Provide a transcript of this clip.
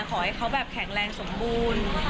ขอให้เขาแบบแข็งแรงสมบูรณ์